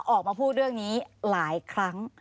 ออกมาพูดเรื่องนี้หลายครั้ง